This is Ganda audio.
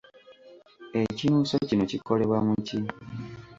Ekinuuso kino kikolebwa mu ki?